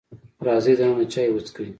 راځئ دننه چای وسکئ.